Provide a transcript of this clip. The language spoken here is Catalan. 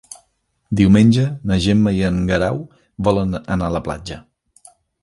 Diumenge na Gemma i en Guerau volen anar a la platja.